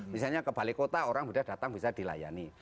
misalnya kebalik kota orang mudah datang bisa dilayani